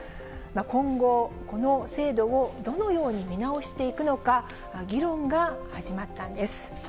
今後、この制度をどのように見直していくのか、議論が始まったんです。